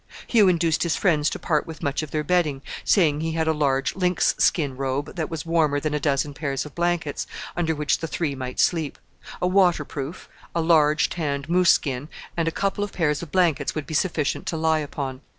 Hugh induced his friends to part with much of their bedding, saying he had a large lynx skin robe that was warmer than a dozen pairs of blankets, under which the three might sleep. A waterproof, a large tanned moose skin, and a couple of pairs of blankets would be sufficient to lie upon.